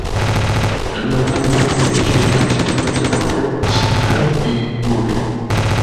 El álbum fue producido principalmente por Jake Sinclair y Urie.